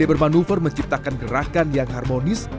ia bermanuver menciptakan gerakan yang harmonis